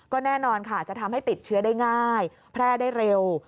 ก็แน่นอนค่ะจะทำให้ติดเชื้อได้ง่ายแพร่ได้เร็ว